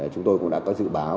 chúng tôi cũng đã có dự báo